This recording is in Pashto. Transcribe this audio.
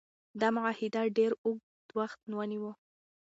دا معاهده ډیر اوږد وخت ونیو.